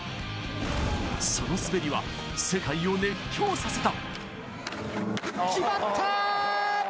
その滑りは世界を熱狂させた。